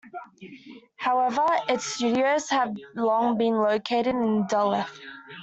However, its studios have long been located in Duluth.